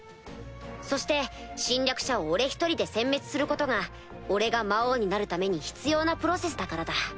そして侵略者を俺一人で殲滅することが俺が魔王になるために必要なプロセスだからだ。